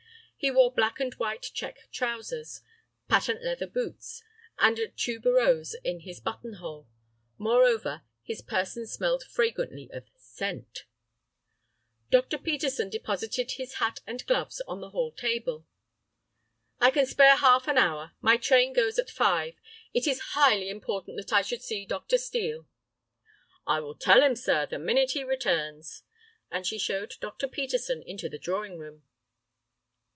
He wore black and white check trousers, patent leather boots, and a tuberose in his button hole. Moreover, his person smelled fragrantly of scent. Dr. Peterson deposited his hat and gloves on the hall table. "I can spare half an hour. My train goes at five. It is highly important that I should see Dr. Steel." "I will tell him, sir, the minute he returns," and she showed Dr. Peterson into the drawing room.